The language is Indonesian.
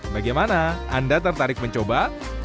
bagaimana anda tertarik mencoba